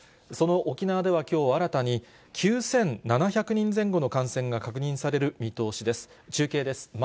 その沖縄ではきょう、新たに９７００人前後の感染が確認される見通しです。